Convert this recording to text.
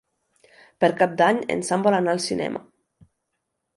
Per Cap d'Any en Sam vol anar al cinema.